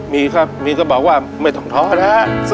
มีครับมีก็บอกว่าไม่ต้องท้อนะฮะ